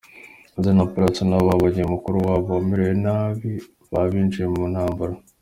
Weasal na Pallaso nabo babonye mukuru wabo amerewe nabi baba binjiye mu ntambara.